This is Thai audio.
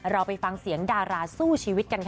เราไปฟังเสียงดาราสู้ชีวิตกันค่ะ